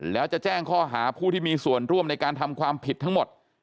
แล้วจะแจ้งข้อหาผู้ที่มีส่วนร่วมในการทำความผิดทั้งหมด